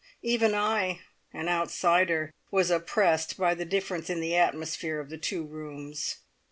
Even I an outsider was oppressed by the difference in the atmosphere of the two rooms.